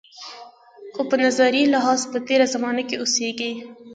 خو په نظري لحاظ په تېره زمانه کې اوسېږي.